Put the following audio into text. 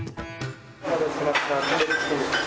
お待たせしました。